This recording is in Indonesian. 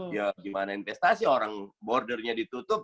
ya gimana investasi orang bordernya ditutup